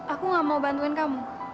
aku gak mau bantuin kamu